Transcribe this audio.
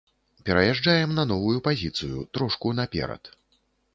Пераязджаем на новую пазіцыю, трошку наперад.